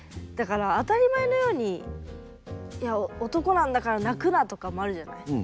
だから当たり前のように「男なんだから泣くな」とかもあるじゃない。